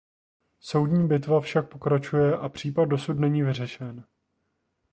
Soudní bitva však pokračuje a případ dosud není vyřešen.